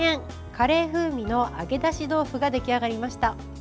カレー風味の揚げ出し豆腐が出来上がりました。